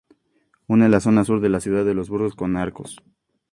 Une la zona sur de la ciudad de Burgos con Arcos.